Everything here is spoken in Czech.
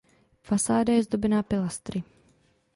Fasáda je zdobená pilastry.